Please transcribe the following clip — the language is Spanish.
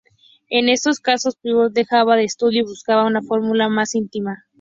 En estos casos, Pivot dejaba el estudio y buscaba una fórmula más íntima.